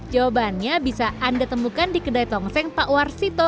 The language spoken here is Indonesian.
jawabannya bisa anda temukan di kedai tongseng pak warsito